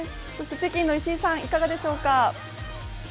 そして北京の石井さん、いかがでしょうか？